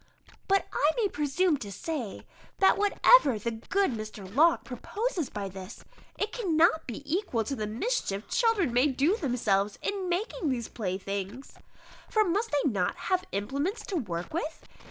But I may presume to say, that whatever be the good Mr. Locke proposes by this, it cannot be equal to the mischief children may do themselves in making these playthings! For must they not have implements to work with?